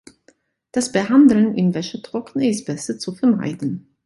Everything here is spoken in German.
Das Behandeln im Wäschetrockner ist besser zu vermeiden.